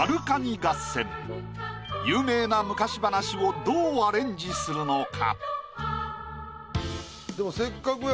有名な昔話をどうアレンジするのか？